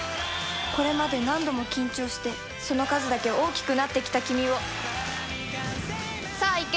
これまで何度も緊張してその数だけ大きくなってきたキミをさぁいけ！